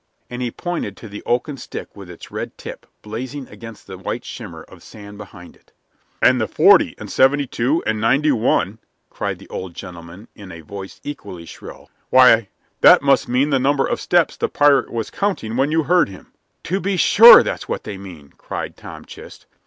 And he pointed to the oaken stick with its red tip blazing against the white shimmer of sand behind it. "And the 40 and 72 and 91," cried the old gentleman, in a voice equally shrill "why, that must mean the number of steps the pirate was counting when you heard him." "To be sure that's what they mean!" cried Tom Chist.